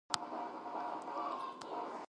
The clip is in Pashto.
ده ته یوه لار د چوک او بله د پارک په لور ښکارېده.